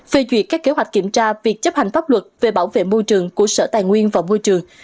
phê duyệt các kế hoạch kiểm tra việc chấp hành pháp luật về bảo vệ môi trường của sở tài nguyên và môi trường